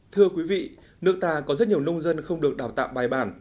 thưa quý vị nước ta có rất nhiều nông dân không được đào tạo bài bản